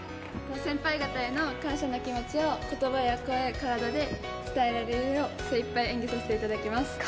先輩方への感謝の気持ちを言葉や体で伝えられるよう精いっぱい演技させていただきます。